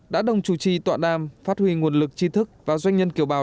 đã đồng chủ trì tọa đàm phát huy nguồn lực tri thức và doanh nhân kiểu bào